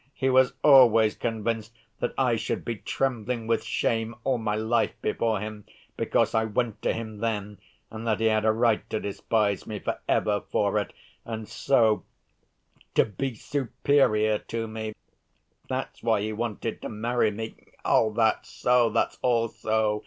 He was always convinced that I should be trembling with shame all my life before him, because I went to him then, and that he had a right to despise me for ever for it, and so to be superior to me—that's why he wanted to marry me! That's so, that's all so!